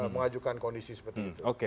mengajukan kondisi seperti itu